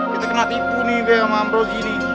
kita kena tipu nih be sama ambro gini